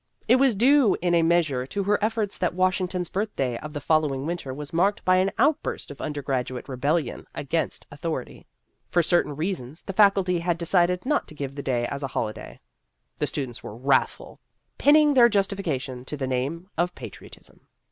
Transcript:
It was due in a measure to her efforts that Washington's Birthday of the follow ing winter was marked by an outburst of undergraduate rebellion against authority. For certain reasons the Faculty had de cided not to give the day as a holiday. The Career of a Radical 109 The students were wrathful, pinning their justification to the name of patriotism.